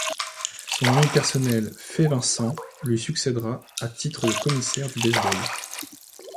Son ami personnel Fay Vincent lui succédera à titre de commissaire du baseball.